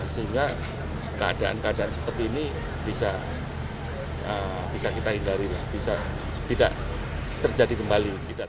sehingga keadaan keadaan seperti ini bisa kita hindari lah bisa tidak terjadi kembali